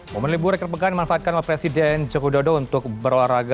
momen libur rekrepekan manfaatkan oleh presiden joko widodo untuk berolahraga